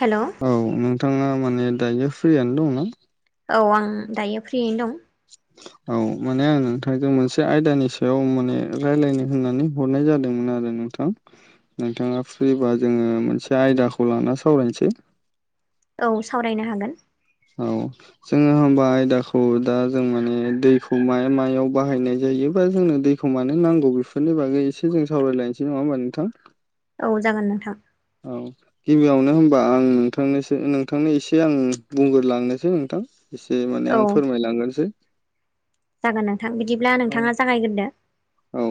Hello औ नोंथाङा माने दायो फ्रियानो दं ना औ आं दायो फ्रियैनो दं [inaudible] औ माने आं नोंथांजों मोनसे आयदानि सायाव माने रायजलायनो होननानै हरनाय जादोंमोन आरो नों थां नोंथाङा फ्रिबा जोङो मोनसे आयदाखौ लाना सावरायनोसै औ सावरायनो हागोन औ जोङो होमबा आयदाखौ दा जों माने दैखौ माया मायाव बाहायनाय जायोबा जोंनो दै दैखौ मानो नांगौ बेफोरनि बागै एसे जों सावरायलायनोसै नङा होमबा नोंथां औ जागोन नोंथां औ गिबियावनो होनबा आं नोंथांनोसो नोंथांनो एसे आं बुंग्रलांनोसै नोंथां एसे माने औ आं फोरमायलांगोनसै औ जागायगोनदा औ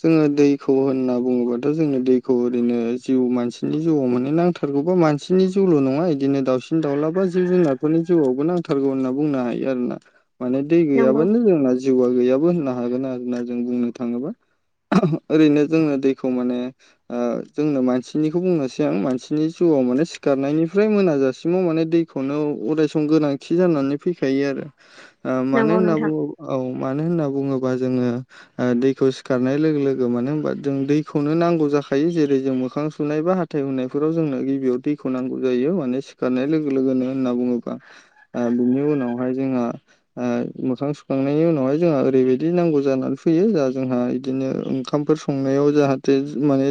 जोङो दैखौ होनना बुङोबाथ' जोङो दैखौ ओरैनो जिउ मानसिनि जिउआव मोनहै नांथार सोरगौबा मानसिनि जिउल' नङा बिदिनो दावउसिन दाउलाबा जिब जुनारफोरनि जिउआवबो नांथारगौ होनना बुंनो हायो आरो ना माने दै नंगौ गैयाबानो जोंना जिउआ गैयाबो होननो हागोन आरोना जों बुंनो थाङोबा ओरैनो जोंङनो दैखौ माने ओ जोंनो मानसिनिखौ बुंनोसै आं मानसिनि जिउआव माने सिखारनायनिफ्राय मोनाजासिमाव माने दै खौनो अराय सम गोनांथि जानानै फैखायो आरो ओ मानो नंगौ होनना नोंथां बुङो औ मानो होनना बुङोबा जोङो दैखौ सिखारनाय लोगो लोगो मानो होनबा जों दैखौनो नांगौ जाखायो जेरै जों मोखां सुनायबा फिथाइ होननायफोराव जोंनो गिबियाव दैखौ नांगौ जायो माने सिखारनाय लोगो लोगोनो होनना बुङोब्ला बिनि उनावहाय जोंङहा मोखां सुखांनायनि उनावहाय जोंहा ओरैबायदि नांगौ जानानै फैयो जा जोंहा बिदिनो ओंखामफोर संनायाव जाहाथे माने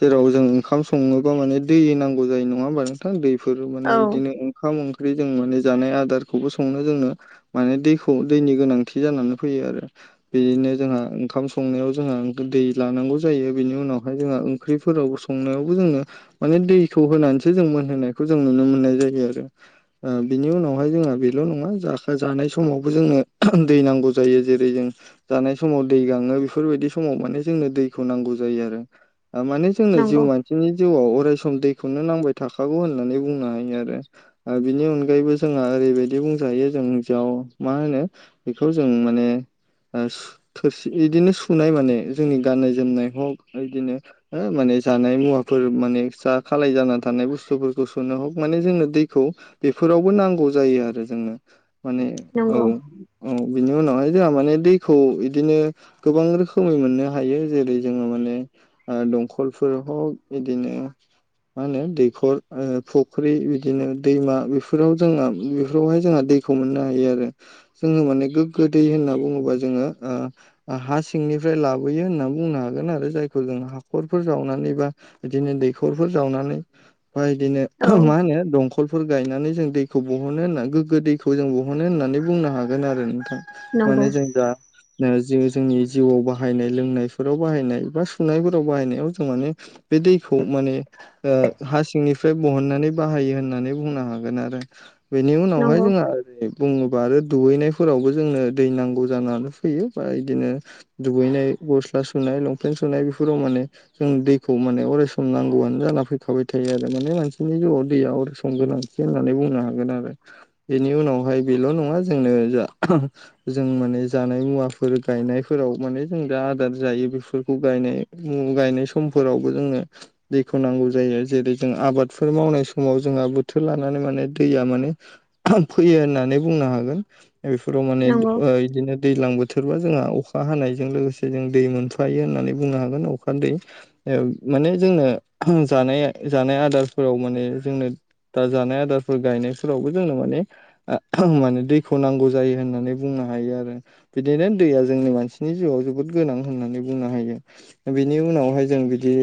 जेराव जों ओंखाम सङोबा माने दै नांगौ जायो नङा होमा नोंथां दैफोर माने औ बिदिनो ओंखाम ओंख्रि जों माने जानाय आदारखौबो संनो जोंनो माने दैखौ दैनि गोनांथि जानानै फैयो आरो बेनो जोंहा ओंखाम संनायाव जोंहा दै लानांगौ जायो बिनि उनावहाय जोंहा ओंख्रिफोराव संनायावबो जोङो माने दैखौ होनानैसो जों मोनहोनायखौ जों नुनो मोननाय जायो आरो बिनि उनावहाय जोंहा बेल' नङा ज जानाय समावबो जोंनो दै नांगौ जायो जेरै जों जानाय समाव दै गाङो बेफोरबायदि समाव माने जोंनो दैखौ नांगौ जायो आरो माने जोंनो नंगौ जिउमानि बिसोरनि जिउआव अराय सम दैखौनो नांबाय थाखागौ होननानै बुंनो हायो आरो आ बिनि अनगायैबो जोंहा ओरैबायदि बुंजायो जों जयाव मा होनो बेखौ जों माने ओ थोरसि बिदिनो सुनाय माने जोंनि गाननाय जोमनाय हक इदिनो हो माने जानाय मुवाफोर माने जा खालाय जानानानै थानाय बुस्थुफोरखौ सोनो हग माने जोंनो दैखौ बेफोरावबो नांगौ जायो आरो जोंनो माने औ नंगौ औ बिनि उनावहाय जोंहा माने दैखौ बिदिनो गोबां रोखोमै मोननो हायो जेरै जोङो माने दंखलफोर ह बिदिनो मा होनो दैखर फुख्रि बिदिनो दैमा बेफोराव जोंहा बेफोरावहाय जोंहा दै खौ मोननो हायो आरो जोङो माने गोग्गो दै होनना बुङोबा जोङो हा सिंनिफ्राय लाबोयो होननानै बुंनो हागोन आरो जायखौ जों हाखरफोर जावनानै बा बिदिनो दैखरफोर जावनानै बमा औ बिदिनो मा होनो दंखल खलफोर गायनानै जों दैखौ बहनो होनना गोग्गो दैखौ जों बहनो होननानै बुंनो हागोन आरो नोंथां नंगौ माने जोंदा जि जोंनि जिउआव बाहायनाय लोंनायफोराव बाहायनाय बा सुनायफोराव बाहायनायाव जों माने बे दैखौ माने खो हा सिंनिफ्राय बहननानै बाहायो होननानै बुंनो हागोन आरो बेनि उनावहाय नंगौ जोंहा ओरै बुङोबा आरो दुगैनायफोरावबो जोंनो दै नांगौ जानानै फैयो बा बिदिनो दुगैनाय गस्ला सुनाय लंपेन्ट सुनाय बेफोराव माने जों दैखौ माने अरायस नांगौआनो जाना फैखाबाय थायो आरो माने मानसिनि जिउआव दैया अरायस गोनां होननानै बुंनो हागोन आरो बेनि उनावहाय बेल' नङा जोंनो जों माने ज गनाय म ज जनाय समफोरावबो जोङो दैखौ नांगौ जायो जेरै जों आबादफोर मावनाय समाव जोंहा बोथोर लानानै माने दैया माने फैयो होननानै बुंनो हागोन बेफोराव माने नंगौ बिदिनो दैज्लां बोथोरबा जोंहा अखा हानायजों लोगोसे जों दै मोनफायो होननानै बुंनो हागोन अखा दै। माने जोंनो जानाय जानाय आदारफोराव माने जोंनो दा जानाय आदारफोर गायनायफोरावबो जोंनो माने माने दैखौ नांगौ जायो होननानै बुंनो हायो आरो। बिदिनो दैया जोंनि मानसिनि जिउआव जोबोद गोनां होननानै बुंनो हायो। बिनि उनावहाय जों बिदि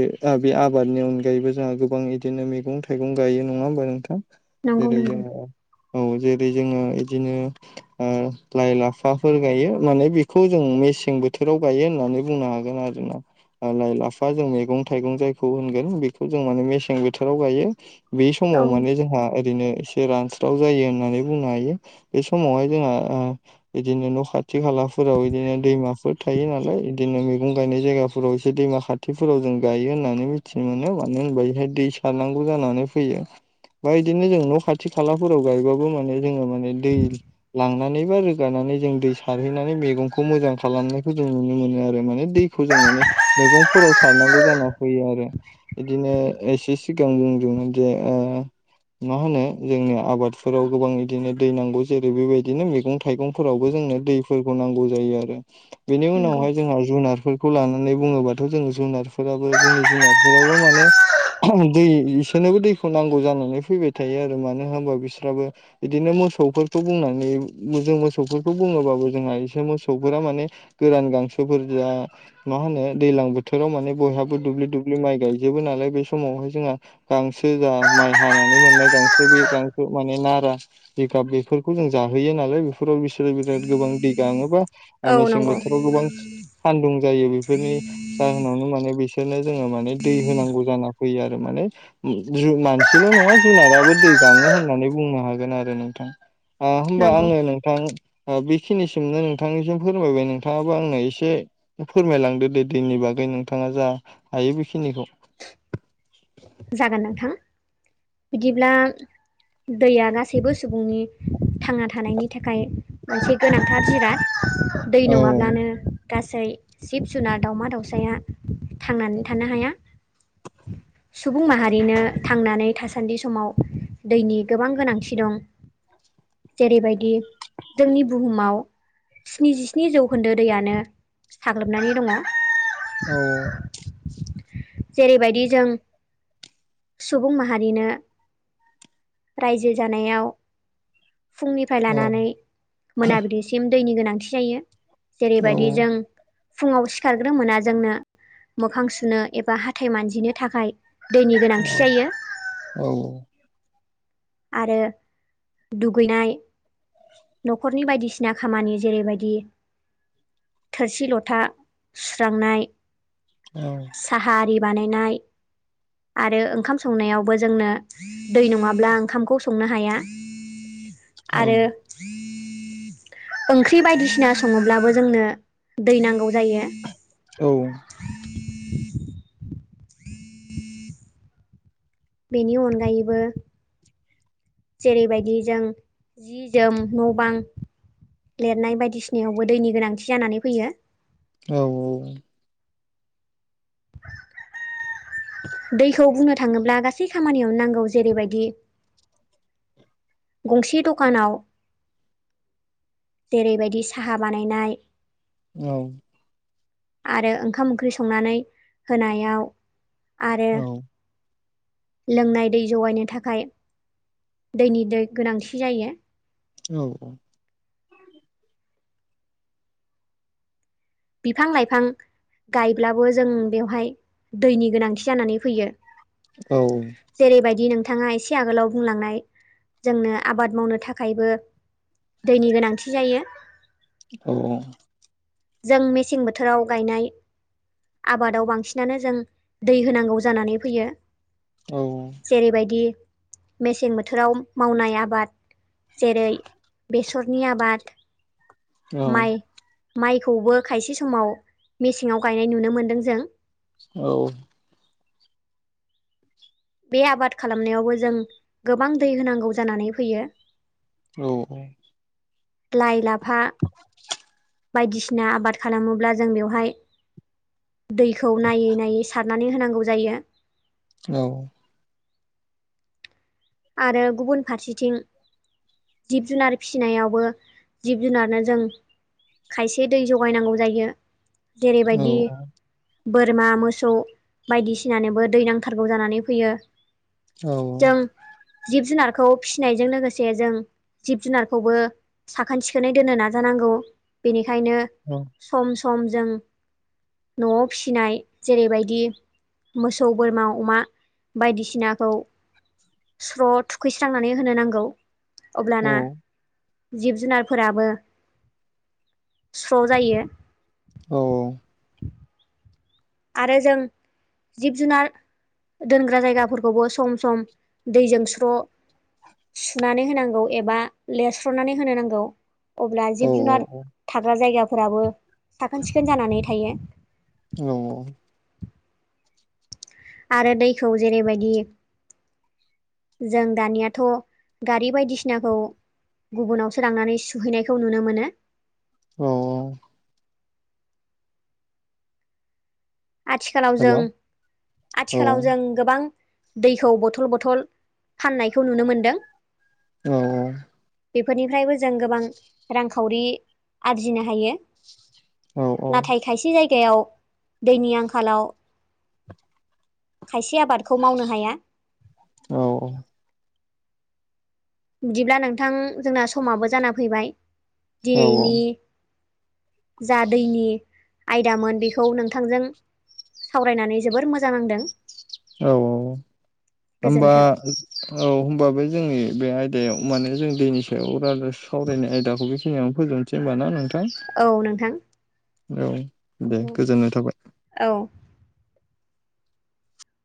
बे आबादनि अनगायैबो जोंहा गोबां बिदिनो मैगं था थाइगं गायो नङा होमबा नोंथां? नंगौ जेरै नंगौ जोङो औ जेरै जोङो बिदिनो लाइ लाफा फोर गायो माने बेखौ जों मेसें बोथोराव गायो होननानै बुंनो हागोन आरो ना। लाइ लाफा जों मैगं थाइगं जायखौ होनगोन बेखौ जों माने मेसें बोथोराव गायो। बे समाव औ माने जोंहा ओरैनो एस से रानस्राव जायो होननानै बुंनो हायो। बे समावहाय जोंहा बिदिनो न' खाथि खालाफोराव बिदिनो दैमाफोर थायो नालाय बिदिनो मैगं गायनाय जायगाफोराव एसे दैमा खा खाथिफोराव जों गायो होननानै मिथिनो मोनो मानो होनबा बेहाय दै सारनांगौ जानानै फैयो। बा बिदिनो जों न' खाथि खालाफोराव गायबाबो माने जोङो मान दै लांनानै बा रोगानानै जों दै सारहैनानै मैगंखौ मोजां खालामनायखौ जों नुनो मोनो आरो माने दैखौ जों माने मैगंफोराव सारनांगौ जाना फैयो आरो। बिदिनो एसे सिगां बुंदोंमोन जे ओ मा होनो जोंनो आबादफोराव गोबां बिदिनो दै नांगौ जेरै बेबायदिनो मैगं थाइगं फोरावबो जोंनो दैफोरखौ नांगौ जायो आरो बेनि नंगौ उनावहाय जोंहा जुनारफोर खौ लानानै बुङोबाथ' जोंङो जुनारफोराबो जोंनि जुनारफोराबो माने दै बिसोरनोबो दैखौ नांगौ जानानै फैबाय थायो आरो मानो होनबा बिस्राबो इदिनो मोसौफोरखौ बुंनानैो जों मोसौ मोसौफोरखौ बुङोबाबो जोंहा एसे मोसौफोरा माने गोरान गांसोफोर जा मा होनो दैजलां बोथोराव माने बयहाबो दुब्लि दुब्लि माइ गायजोबो नालाय। बे समावहाय जोंहा गांसो जा माइ हानानै मोननाय गांसो बे गांसो माने नारा जिगाब बेफोरखौ जों जाहोयो नालाय फोराव बिसोरो बिराद गोबां दै गाङोबा औ मेसें नंगौ बोथोराव गोबां सान्दुं जायो बेफोरनि जाहोनावनो माने बिसोरनो जोङो माने दै होनांगौ जाना फैयो आरो माने मानसिल' नङा जुनाराबो दै गाङो होननानै बुंनो हागोन आरो नोंथां। आ होमबा नंगौ आङो नों थां बेखिनिसिमनो नोंथांनिसिम फोरमायबाय नोंथाङाबो आंनो एसे फोरमायलांदो दे दैनि बागै नोंथाङा जा हायो बेखिनिखौ। जागोन नोंथां। बिदिब्ला दैया गासैबो सुबुंनि थांना थानायनि थाखाय मोनसे गोनांथार जिराद। दै औ नङाब्लानो गासै जिब जुनार दावमा दावसाया थांनानै थानो हाया। सुबुं माहारिनो थांनानै थासान्दि समाव दैनि गोबां गोनांथि दं। जेरैबायदि जोंनि बुहुमाव स्निजिस्नि जौखोन्दो दैयानो साग्लोबनानै दङ। औ जेरैबायदि जों सुबुं माहारिनो रायजो जानायाव फुंनिफ्राय औ लानानै मोनाबिलिसिम दैनि गोनांथि जायो। औ जेरैबादि जों फुङाव सिखारग्रो मोना जोंनो मोखां सुनो एबा हाथाय मानजिनो थाखाय दैनि औ गोनांथि जायो। औ। आरो दुगैनाय न'खरनि बायदिसिना खामानि जेरैबायदि थोरसि लथा सुस्रांनाय औ साहा आरि बानायनाय आरो ओंखाम संनायावबो जोंनो दै नङाब्लां खामखौ संनो हाया औ आरो ओंख्रि बायदिसिना सङोब्लाबो जोंनो दै नांगौ जायो औ बेनि अनगायैबो जेरैबायदि जों जि जोम न' बां लिरनाय बायदिसिनायावबो दैनि गोनांथि जानानै फैयो औ औ औ दैखौ बुंनो थाङोब्ला गासै खामानियावनो नांगौ जेरैबायदि गंसे दकानाव देरैबायदि साहा बानायनाय औ आरो ओंखाम ओंख्रि संनानै होनायाव आरो लोंनाय दै जगायनो थाखाय दैनि दै गोनांथि जायो। औ औ बिफां लाइफां गायब्लाबो जों बेवहाय दैनि गोनांथि जानानै फैयो औ जेरैबायदि नोंथाङा एसे आगोलाव बुंलांनाय जोंनो आबाद मावनो थाखायबो दैनि गोनांथि जायो औ औ जों मेसें बोथोराव गायनाय आबादाव बांसिनानो जों दै होनांगौ जानानै फैयो औ जेरैबायदि मेसें बोथोराव मावनाय आबाद जेरै बेसरनि आबाद औ माइ माइखौबो खायसे समाव मेसेंआव गायनाय नुनो मोन्दों जों औ बे आबाद खालामनायावबो जों गोबां दै होनांगौ जानानै फैयो औ औ लाइ लाफा बायदिसिना आबाद खालामोब्ला जों बेवहाय दैखौ नायै नायै सारनानै होनांगौ जायो औ आरो गुबुन फारसेथिं जिब जुनार फिसिनायावबो जिब जुनारनो जों खायसे दै जगायनांगौ जायो जेरैबायदि बोरमा मोसौ बायदिसिनानोबो दै नांथारगौ जानानै फैयो जों औ जिब जुनारखौ फिसिनायजों लोगोसे जों जिब जुनारखौबो साखोन सिखोनै दोननो नाजानांगौ बेनिखायनो औ सम सम जों न'आव फिनाय जेरैबायदि मोसौ बोरमा अमा बायदिसिनाखौ स्र' थुखैस्रांनानै होनो नांगौ अब्लाना जिब जुनारफोराबो सु्र' जायो औ आरो जों जिब जुनार दोनग्रा जायगाफोरखौबो सम सम दैजों स्र' सुनानै होनांगौ एबा लिरस्र'नानै होनो नांगौ अब्ला जिब जुनार थाग्रा जायगाफोराबो साखोन सिखोन जानानै थायो औ आरो दैखौ जेरैबायदि जों दानियाथ' गारि बायदिसिनाखौ गुबुनावसो लांनानै सुहैनायखौ नुनो मोनो औ आथिखालाव जों आथिखालाव जों गोबां दैखौ बथल बथल फाननायखौ नुनो मोनदों औ औ बेफोरनिफ्रायबो जों गोबां रांखावरि आरजिनो हायो नाथाय खायसे जायगायाव दैनि आंखालाव खायसे आबादखौ मावनो हाया औ औ बिदिब्ला नोंथां जोंना समाबो जाना फैबाय दिनैनि जा दैनि आयदामोन बेखौ नोंथांजों सावरायनानै जोबोर मोजां नांदों औ औ होमबा गोजोन्थों औ होनोमबाबो जोंनि बे आयदायाव माने जों दैनि सायाव सावरायनाय आयदाखौ बेखिनियावनो फोबनोस होनबा ना नोंथां औ नोंथां औ दे गोजोननाय थाबाय औ